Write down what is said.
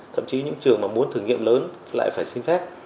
thậm chí những trường mà muốn thử nghiệm lớn lại phải xin phép